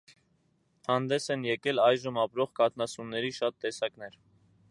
Հանդես են եկել այժմ ապրող կաթնասունների շատ տեսակներ։